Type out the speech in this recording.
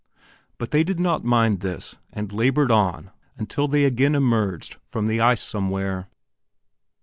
But they did not mind this and labored on until they again emerged from the ice somewhere.